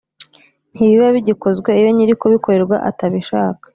Ntibiba bigikozwe iyo nyiri kubikorerwa atabishaka